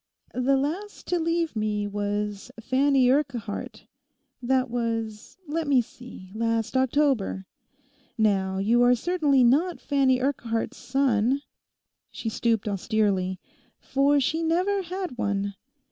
The last to leave me was Fanny Urquhart, that was—let me see—last October. Now you are certainly not Fanny Urquhart's son,' she stooped austerely, 'for she never had one.